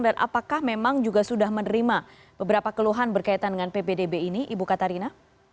dan apakah memang juga sudah menerima beberapa keluhan berkaitan dengan ppdb ini ibu katarina